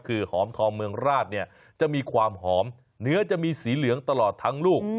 คือหอมทองเมืองราชเนี่ยจะมีความหอมเนื้อจะมีสีเหลืองตลอดทั้งลูก